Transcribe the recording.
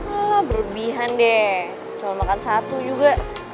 alah berlebihan deh soal makan satu juga